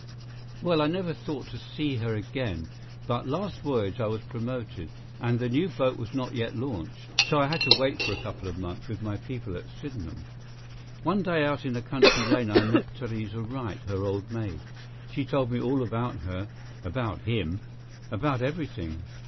"Well, I never thought to see her again, but last voyage I was promoted, and the new boat was not yet launched, so I had to wait for a couple of months with my people at Sydenham. One day out in a country lane I met Theresa Wright, her old maid. She told me all about her, about him, about everything.